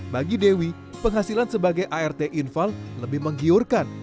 bagi dewi penghasilan sebagai art infal lebih menggiurkan